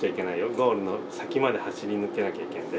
ゴールの先まで走り抜けなきゃいけんで。